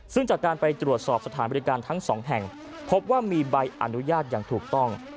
ซึ่งจากการไปตรวจสอบสถานบริการทั้งสองแห่งพบว่ามีใบอนุญาตอย่างถูกต้อง